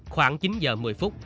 khoảng chín h một mươi phút